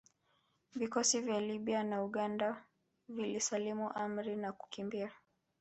Vikosi vya Libya na Uganda vilisalimu amri na kukimbia